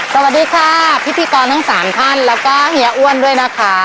สวัสดีค่ะพิธีกรทั้งสามท่านแล้วก็เฮียอ้วนด้วยนะคะ